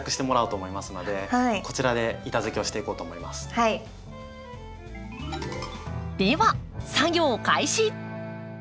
では作業開始。